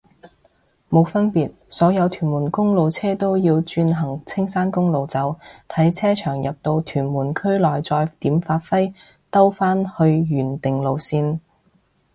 冇分別，所有屯門公路車都要轉行青山公路走，睇車長入到屯門區內再點發揮兜返去原定路線